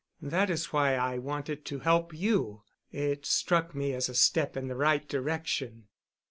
That is why I wanted to help you. It struck me as a step in the right direction."